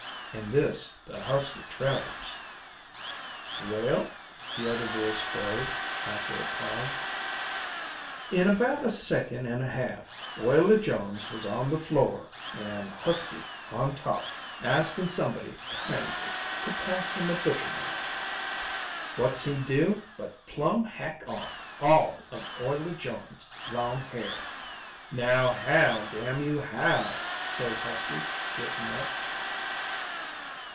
an' this to Husky Travers." "Well?" the other voice queried, after a pause. "In about a second an' a half Oily Jones was on the floor an' Husky on top askin' somebody kindly to pass him a butcher knife. What's he do but plumb hack off all of Oily Jones' long hair. 'Now howl, damn you, howl,' says Husky, gettin' up."